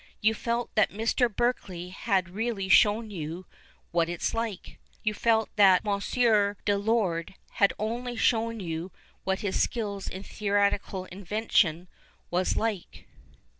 You felt that Mr. Berkeley had really shown you " what it's like." You felt that M. de Lorde had only shown you what his skill in theatrical invention was like.